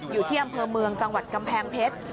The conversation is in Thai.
อยู่ที่อำเภอเมืองจังหวัดกำแพงเพชร